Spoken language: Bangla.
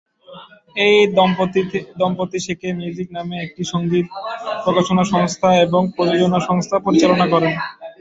এই দম্পতি সেকে মিউজিক নামে একটি সঙ্গীত প্রকাশনা সংস্থা এবং প্রযোজনা সংস্থা পরিচালনা করেন।